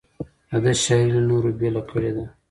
د ده شاعري له نورو بېله کړې ده.